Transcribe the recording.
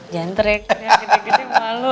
jangan teriak teriak gede gede malu